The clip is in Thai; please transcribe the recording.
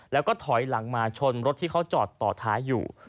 แล้วก็ถอยหลังมาชนรถที่เขาจอดต่อท้ายอยู่